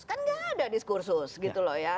kan nggak ada diskursus gitu loh ya